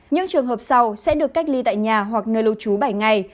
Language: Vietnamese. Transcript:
những trường hợp sau sẽ được cách ly tại nhà hoặc nơi lưu trú bảy ngày